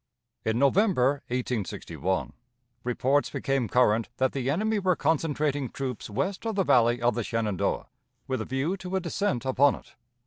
In November, 1861, reports became current that the enemy were concentrating troops west of the Valley of the Shenandoah with a view to a descent upon it.